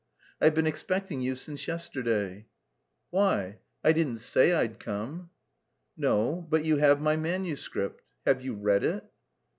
"I've been expecting you since yesterday." "Why? I didn't say I'd come." "No, but you have my manuscript. Have you... read it?"